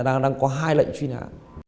đang có hai lệnh truy nã